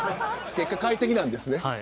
結果、快適なんですね。